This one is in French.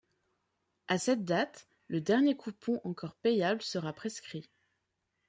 À cette date, le dernier coupon encore payable sera prescrit.